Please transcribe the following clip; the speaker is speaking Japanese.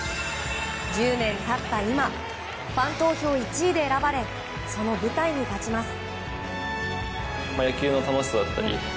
１０年経った今ファン投票１位で選ばれその舞台に立ちます。